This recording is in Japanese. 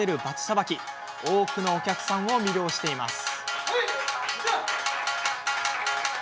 さばきは多くのお客さんを魅了しています。